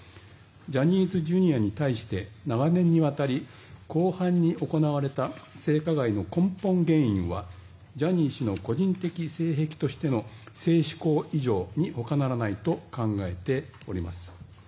ジャニーズＪｒ．に対して長年にわたり広範に行われた性加害の根本原因はジャニー氏の個人的性癖としての性嗜好異常に他ならないと考えております。